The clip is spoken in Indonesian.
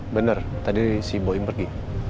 bener tadi si boim pergi